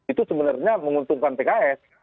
itu sebenarnya menguntungkan pks